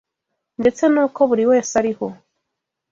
ndetse n’uko buri wese ariho